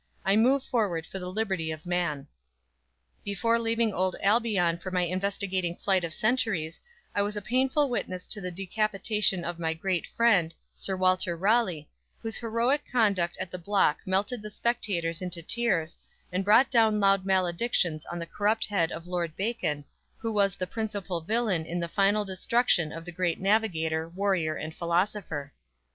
I move forward for the liberty of man! Before leaving old Albion for my investigating flight of centuries, I was a painful witness to the decapitation of my great friend, Sir Walter Raleigh, whose heroic conduct at the block melted the spectators into tears, and brought down loud maledictions on the corrupt head of Lord Bacon, who was the principal villain in the final destruction of the great navigator, warrior and philosopher.